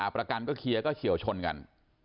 ประกันก็เคลียร์ก็เฉียวชนกัน